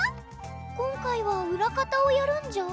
今回は裏方をやるんじゃ？